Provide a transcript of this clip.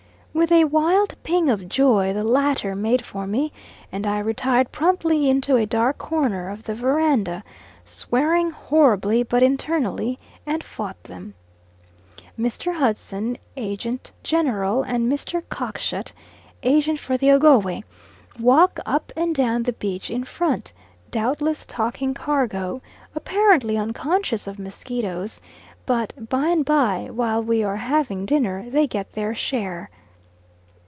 With a wild ping of joy the latter made for me, and I retired promptly into a dark corner of the verandah, swearing horribly, but internally, and fought them. Mr. Hudson, Agent general, and Mr. Cockshut, Agent for the Ogowe, walk up and down the beach in front, doubtless talking cargo, apparently unconscious of mosquitoes; but by and by, while we are having dinner, they get their share.